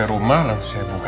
saya rumah lalu saya buka